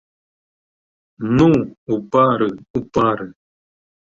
Ну, у пары, у пары!